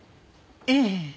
ええ。